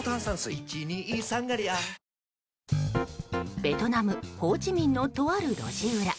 ベトナム・ホーチミンのとある路地裏。